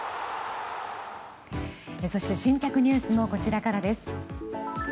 新着ニュースもこちらからです。